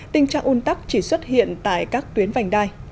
tình trạng un tắc chỉ xuất hiện tại các tuyến vành đai